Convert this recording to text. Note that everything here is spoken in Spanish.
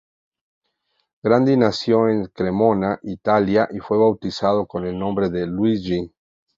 Grandi nació en Cremona, Italia, y fue bautizado con el nombre de Luigi.